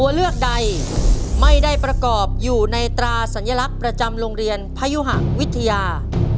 ตัวเลือกใดไม่ได้ประกอบอยู่ในตราสัญลักษณ์ประจำโรงเรียนพยุหะวิทยา